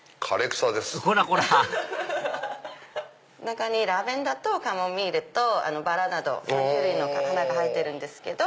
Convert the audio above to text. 中にラベンダーとカモミールとバラなど３種類の花が入ってるんですけど。